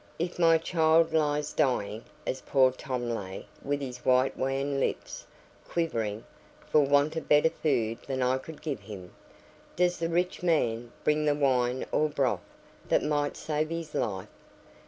If my child lies dying (as poor Tom lay, with his white wan lips quivering, for want of better food than I could give him), does the rich man bring the wine or broth that might save his life?